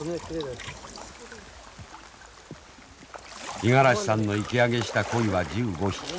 五十嵐さんの池上げした鯉は１５匹。